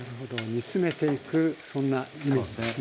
煮詰めていくそんなイメージですね。